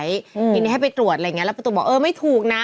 ทีนี้ให้ไปตรวจอะไรอย่างเงี้แล้วประตูบอกเออไม่ถูกนะ